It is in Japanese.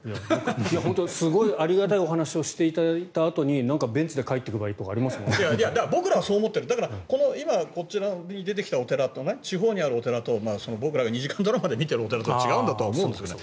すごいありがたいお話を聞いたあとになんかベンツで帰っていく場合とか僕らはそう思ってるだから、今こちらに出てきたお寺と地方にあるお寺と僕らが２時間ドラマで見ているお寺は違うんだと思いますね。